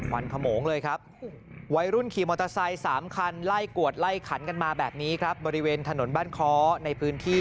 วันขโมงเลยครับวัยรุ่นขี่มอเตอร์ไซค์๓คันไล่กวดไล่ขันกันมาแบบนี้ครับบริเวณถนนบ้านค้อในพื้นที่